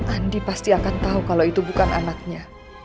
andi pasti akan tahu kalau itu bukan anaknya